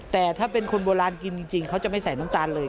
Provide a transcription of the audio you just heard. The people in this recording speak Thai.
แต่ถ้าเป็นคนโบราณกินจริงเขาจะไม่ใส่น้ำตาลเลย